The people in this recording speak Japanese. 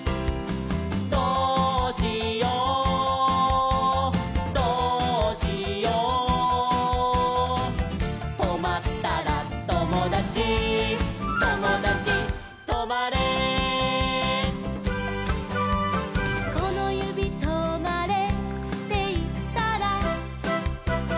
「どうしようどうしよう」「とまったらともだちともだちとまれ」「このゆびとまれっていったら」